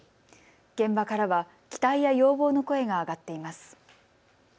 現場からは期待や要望の声が上がっています。